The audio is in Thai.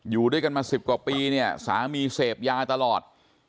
อยู่ด้วยกันมา๑๐กว่าปีเนี่ยสามีเสพยาตลอด